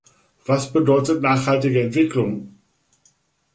Was bedeutet nachhaltige Entwicklung?